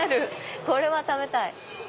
これは食べたい！